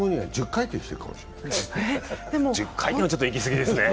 １０回転はちょっといきすぎですね。